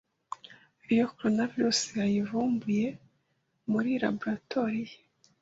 Iyo coronavirus yayivumburiye muri laboratoire ye